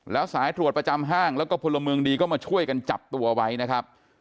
แล้วสายตรวจประจำห้างแล้วก็พลเมืองดีก็มาช่วยกันจับตัวไว้นะครับ